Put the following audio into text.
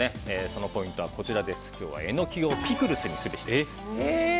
そのポイントはエノキをピクルスにすべしです。